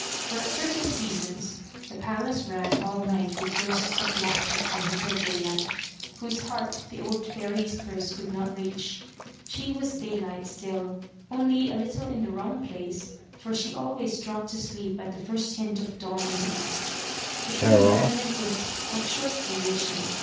For at certain seasons the palace rang all night with bursts of laughter from little Daylight, whose heart the old fairy's curse could not reach; she was Daylight still, only a little in the wrong place, for she always dropped asleep at the first hint of dawn in the east. But her merriment was of short duration.